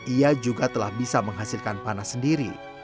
ia juga telah bisa menghasilkan panas sendiri